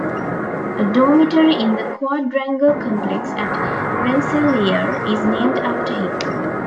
A dormitory in the Quadrangle complex at Rensselaer is named after him.